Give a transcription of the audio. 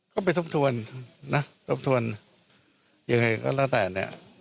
ก็ไปทบทวนนะทบทวนยังไงก็แล้วแต่เนี่ย